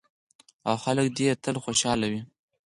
او خلک دې یې تل خوشحاله وي.